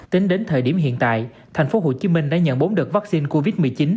tính đến thời điểm hiện tại thành phố hồ chí minh đã nhận bốn đợt vaccine covid một mươi chín